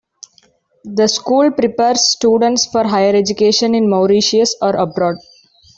The school prepares students for higher education in Mauritius, or abroad.